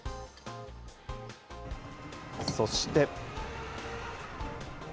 そして。